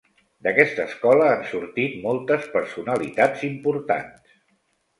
D'aquesta escola han sortit moltes personalitats importants.